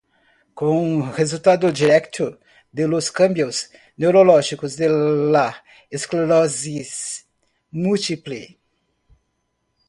Como resultado directo de los cambios neurológicos de la esclerosis múltiple.